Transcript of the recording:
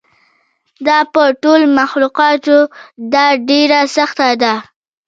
دا په ټولو مخلوقاتو ده ډېره سخته ده.